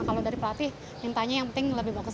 kalau dari pelatih mintanya yang penting lebih bagus